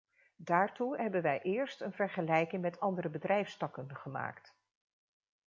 Daartoe hebben wij eerst een vergelijking met andere bedrijfstakken gemaakt.